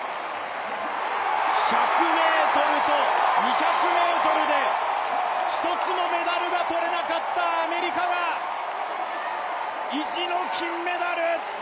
１００ｍと２００ｍで１つもメダルが取れなかったアメリカが意地の金メダル！